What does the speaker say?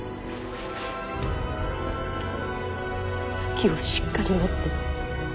気をしっかり持って。